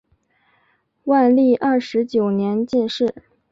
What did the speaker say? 万历二十九年进士。